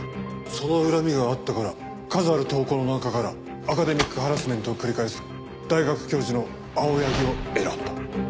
その恨みがあったから数ある投稿の中からアカデミックハラスメントを繰り返す大学教授の青柳を選んだ。